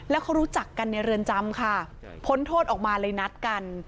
แล้วเขารู้จักกันในเรือนจำค่ะพ้นโทษออกมาเลยนัดกัน